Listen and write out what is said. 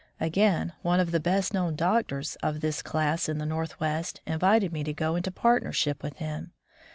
Again, one of the best known doctors" of this class in the Northwest invited me to go into partnership with him.